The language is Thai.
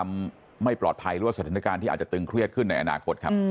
ไม่ปลอดภัยหรือว่าสถานการณ์ที่อาจจะตึงเครียดขึ้นในอนาคตครับ